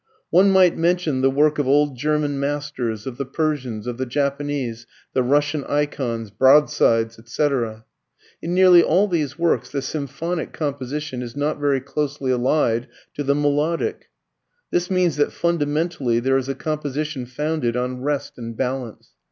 One might mention the work of old German masters, of the Persians, of the Japanese, the Russian icons, broadsides, etc. [Footnote: This applies to many of Hodler's pictures.] In nearly all these works the symphonic composition is not very closely allied to the melodic. This means that fundamentally there is a composition founded on rest and balance.